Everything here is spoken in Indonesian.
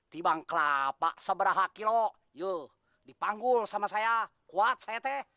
timbang kelapa seberaha kilo yuk dipanggul sama saya kuat saya teh